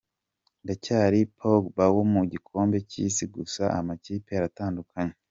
Ndacyari Pogba wo mu gikombe cy’isi gusa amakipe aratandukanye.